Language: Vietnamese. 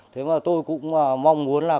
thế mà tôi cũng mong muốn là